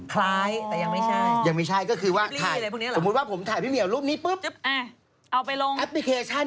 คล้ายแต่ยังไม่ใช่ยังไม่ใช่ก็คือว่าถ้าสมมุติว่าผมถ่ายพี่เหมียวรูปนี้ปุ้บเอะเออไปลง